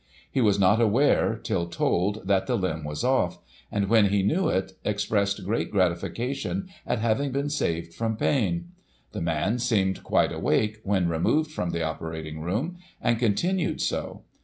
He was not aware, till told, that the limb was off ; and, when he knew it, expressed great gratification at having been saved from pain. The man seemed quite awake when removed from the operating room, and continued so.